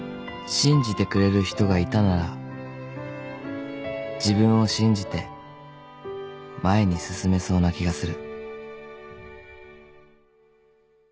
［信じてくれる人がいたなら自分を信じて前に進めそうな気がする］